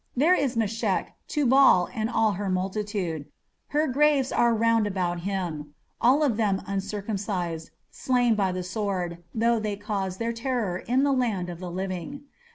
There is Meshech, Tubal, and all her multitude: her graves are round about him: all of them uncircumcised, slain by the sword, though they caused their terror in the land of the living....